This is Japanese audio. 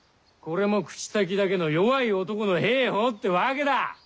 これも口先だけの弱い男の兵法ってわけだ。